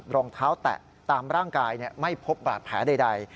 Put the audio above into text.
รองเท้าแตะตามร่างกายไม่พบบาดแผลใด